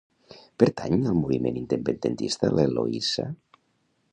Pertany al moviment independentista l'Eloísa?